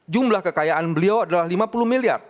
jumlah kekayaan beliau adalah lima puluh miliar